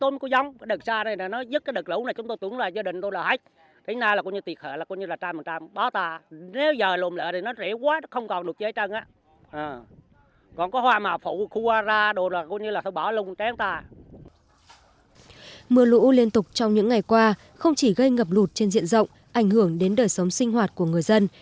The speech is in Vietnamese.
mưa lũ liên tục trong những ngày qua không chỉ gây ngập lụt trên diện rộng ảnh hưởng đến đời sống sinh hoạt của người dân